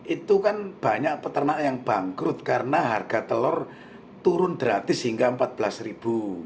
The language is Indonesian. itu kan banyak peternak yang bangkrut karena harga telur turun gratis hingga rp empat belas ribu